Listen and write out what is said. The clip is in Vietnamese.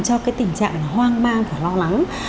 cho cái tình trạng hoang mang và lo lắng